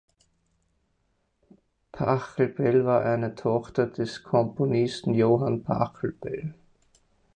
Pachelbel war eine Tochter des Komponisten Johann Pachelbel.